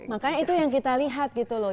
makanya itu yang kita lihat gitu loh